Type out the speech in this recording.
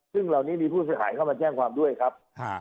ซึ่งเหล่านี้มีผู้เสียหายเข้ามาแจ้งความด้วยครับ